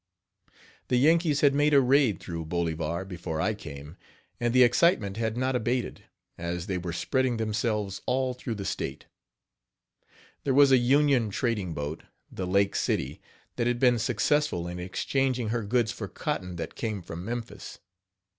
H2> The Yankees had made a raid through Bolivar, before I came, and the excitement had not abated, as they were spreading themselves all through the state. There was a Union trading boat, the Lake City, that had been successful in exchanging her goods for cotton that came from Memphis.